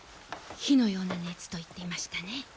火のような熱と言っていましたね。